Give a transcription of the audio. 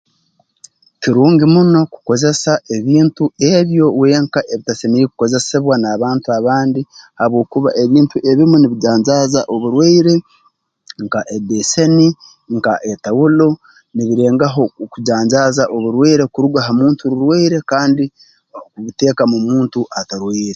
Kirungi muno kukozesa ebintu ebyo wenka ebitasemeriire kukozesebwa n'abantu abandi habwokuba ebintu ebimu nibijanjaaza oburwaire nka ebbeeseni nka etawulo nibirengaho okujanjaaza oburwaire kuruga ha muntu rurwaire kandi bibuteeka mu muntu atarwaire